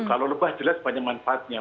kalau lebah jelas banyak manfaatnya